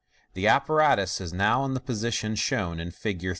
The appa ratus is now in the position shown in Fig.